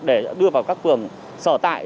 để đưa vào các phường sở tại